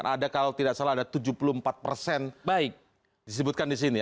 ada kalau tidak salah ada tujuh puluh empat persen disebutkan di sini